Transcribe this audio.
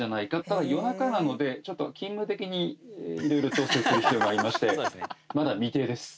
ただ夜中なので、ちょっと勤務的にいろいろ調整する必要がありましてまだ未定です。